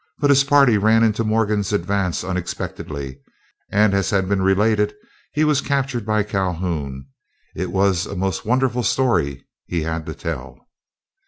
But his party ran into Morgan's advance unexpectedly, and as has been related, he was captured by Calhoun. It was a most wonderful story he had to tell.